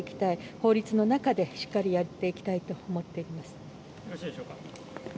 法律の中でしっかりやっていきたいと思います。